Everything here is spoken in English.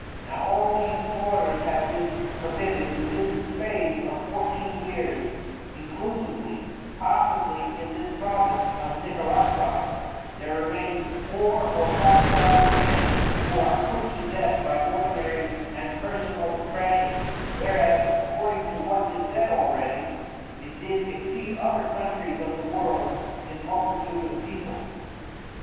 Now all these Slaughters have been committed within the space of Fourteen years inclusively, possibly in this Province of Nicaraqua there remains Four or Five Thousand Men who are put to Death by ordinary and personal Opressions, whereas (according to what is said already) it did exceed other Countries of the World in multitude of People.